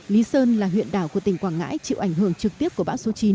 lý sơn là huyện đảo của tỉnh quảng ngãi chịu ảnh hưởng trực tiếp của bão số chín